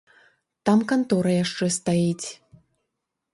Там кантора яшчэ стаіць.